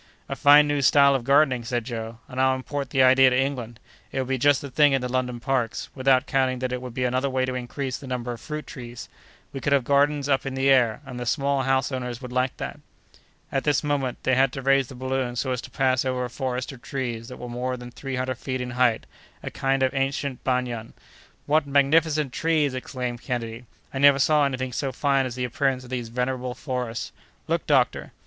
"A fine new style of gardening," said Joe, "and I'll import the idea to England. It would be just the thing in the London parks; without counting that it would be another way to increase the number of fruit trees. We could have gardens up in the air; and the small house owners would like that!" At this moment, they had to raise the balloon so as to pass over a forest of trees that were more than three hundred feet in height—a kind of ancient banyan. "What magnificent trees!" exclaimed Kennedy. "I never saw any thing so fine as the appearance of these venerable forests. Look, doctor!"